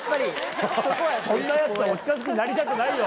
そんなヤツとはお近づきになりたくないよ！